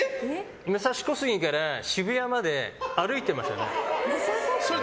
武蔵小杉から渋谷まで歩いてましたね。